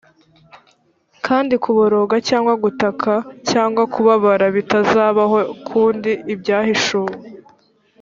kandi kuboroga cyangwa gutaka cyangwa kubabara bitazabaho ukundi ibyahishuwe